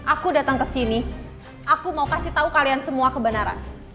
aku datang ke sini aku mau kasih tahu kalian semua kebenaran